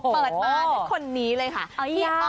เขาไปเล่นคอนเซิร์ตที่ร้านร้านหนึ่งในจังหวัดอุบลราชธานี